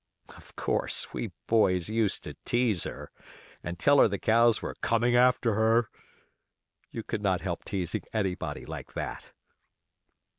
Of course, we boys used to tease her, and tell her the cows were coming after her. You could not help teasing anybody like that.